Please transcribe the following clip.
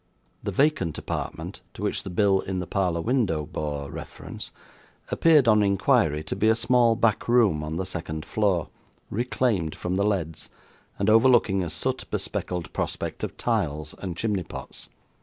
The vacant apartment to which the bill in the parlour window bore reference, appeared, on inquiry, to be a small back room on the second floor, reclaimed from the leads, and overlooking a soot bespeckled prospect of tiles and chimney pots.